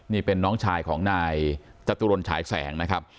นี่เป็นน้องชายของนายจตุรนฉายแสงนะครับ